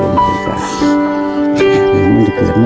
อาหารรูปเขาไม่ได้เคยเกิดมา